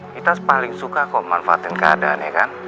kita paling suka kok manfaatin keadaan ya kan